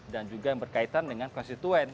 dan juga yang berkaitan dengan konstituen